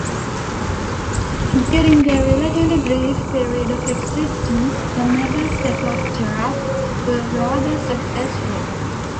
During their relatively brief period of existence, the Megasecoptera were rather successful.